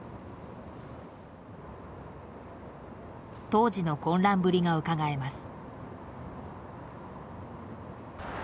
当時の混乱ぶりがうかがえます。